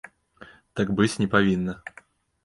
Так быць не павінна!